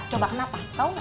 coba kenapa tau gak